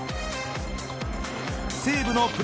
西武のプロ